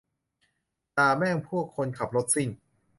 ด่าแม่งพวกคนขับรถซิ่ง